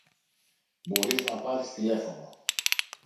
μπορείς να πάρεις τηλέφωνο